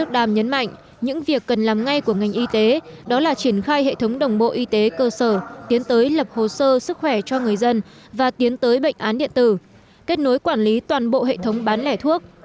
đàm nhấn mạnh những việc cần làm ngay của ngành y tế đó là triển khai hệ thống đồng bộ y tế cơ sở tiến tới lập hồ sơ sức khỏe cho người dân và tiến tới bệnh án điện tử kết nối quản lý toàn bộ hệ thống bán lẻ thuốc